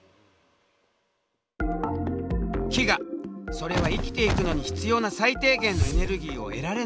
それは生きていくのに必要な最低限のエネルギーを得られないこと。